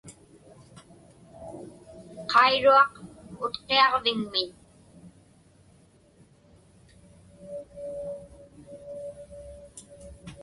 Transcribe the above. Qairuaq Utqiaġviŋmiñ.